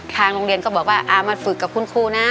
ทางโรงเรียนก็บอกว่ามาฝึกกับคุณครูนะ